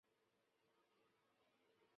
身后葬于香港跑马地西洋香港坟场。